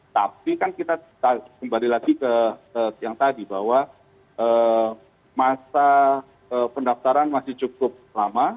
tapi kan kita kembali lagi ke yang tadi bahwa masa pendaftaran masih cukup lama